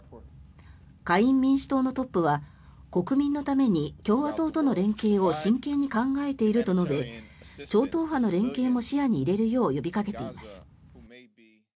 下院・民主党のトップは国民のために共和党との連携を真剣に考えていると述べ超党派の連携も視野に入れるよう呼びかけています。